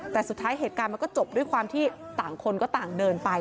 แต่สุดท้ายเหตุการณ์มันก็จบด้วยความที่ต่างคนก็ต่างเดินไป